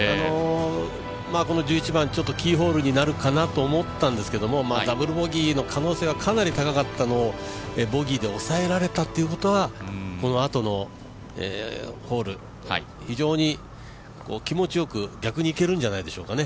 この１１番、キーホールになるかなと思ったんですけどダブルボギーの可能性がかなり高かったのをボギーで抑えられたってことは、このあとのホール、非常に気持ちよく逆にいけるんじゃないでしょうかね。